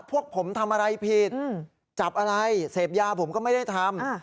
พวกผมทำอะไรผิดจับอะไรเสพยาผมก็ไม่ได้ทำ